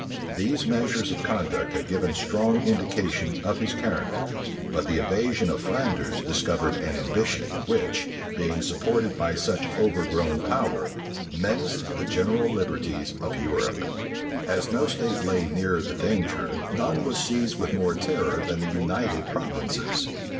[*] These measures of conduct had given strong indications of his character: but the invasion of Flanders discovered an ambition, which, being supported by such overgrown power, menaced the general liberties of Europe. * January 25, 1662 As no state lay nearer the danger, none was seized with more terror than the United Provinces.